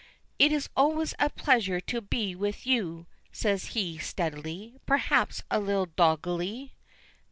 "It is always a pleasure to be with you," says he steadily, perhaps a little doggedly.